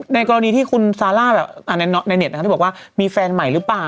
ในกรณีที่คุณซาร่าแบบในเน็ตที่บอกว่ามีแฟนใหม่หรือเปล่า